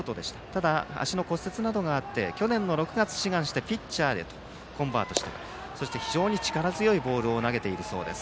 ただ、足の骨折などがあって去年の６月、志願してピッチャーにコンバートして非常に力強いボールを投げているそうです。